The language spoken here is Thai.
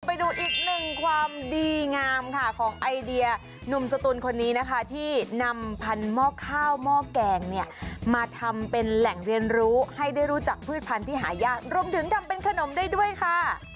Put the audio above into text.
ไปดูอีกหนึ่งความดีงามค่ะของไอเดียหนุ่มสตูนคนนี้นะคะที่นำพันธุ์หม้อข้าวหม้อแกงเนี่ยมาทำเป็นแหล่งเรียนรู้ให้ได้รู้จักพืชพันธุ์ที่หายากรวมถึงทำเป็นขนมได้ด้วยค่ะ